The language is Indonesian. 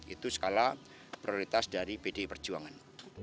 itu skala prioritas dari pdi perjuangan